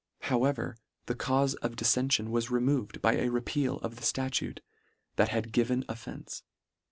How ever the caufe of diffention was removed by a repeal of the ftatute, that had given of fenfe.